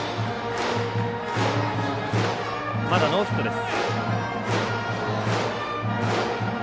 まだノーヒットです。